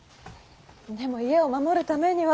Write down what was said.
でも家を守るためには。